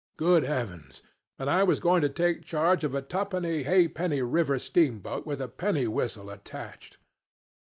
Good heavens! and I was going to take charge of a two penny halfpenny river steamboat with a penny whistle attached!